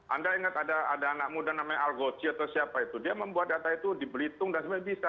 anda ingat ada anak muda namanya algoci atau siapa itu dia membuat data itu di belitung dan sebagainya bisa